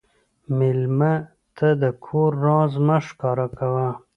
مېلمه ته د کور راز مه ښکاره کوه.